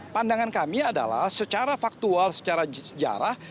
pandangan kami adalah secara faktual secara sejarah